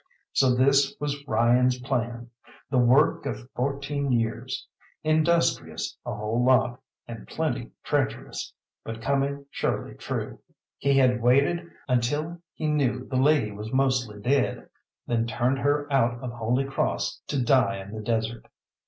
So this was Ryan's plan the work of fourteen years; industrious a whole lot, and plenty treacherous, but coming surely true. He had waited until he knew the lady was mostly dead, then turned her out of Holy Cross to die in the desert.